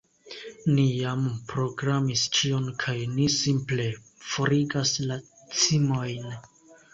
Ni jam programis ĉion kaj ni simple forigas la cimojn